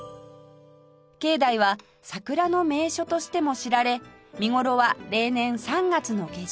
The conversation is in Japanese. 境内は桜の名所としても知られ見頃は例年３月の下旬頃